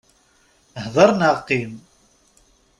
Hder neɣ qqim!